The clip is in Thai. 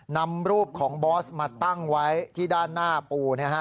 นำรูปของบอสมาตั้งไว้ที่ด้านหน้าปู